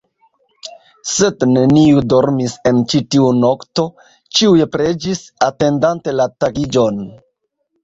Sed neniu dormis en ĉi tiu nokto, ĉiuj preĝis, atendante la tagiĝon.